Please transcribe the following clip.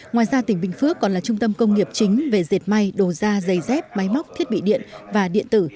ngoài ra tỉnh bình phước còn là trung tâm công nghiệp chính về dệt may đồ da giày dép máy móc thiết bị điện và điện tử